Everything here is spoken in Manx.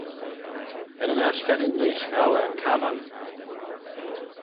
Er yn aght cheddin neesht ghow eh yn cappan.